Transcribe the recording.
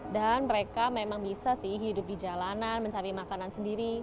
dan mereka memang bisa sih hidup di jalanan mencari makanan sendiri